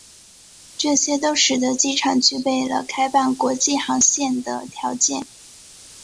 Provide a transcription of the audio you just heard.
这些都使得机场具备了开办国际航线的条件。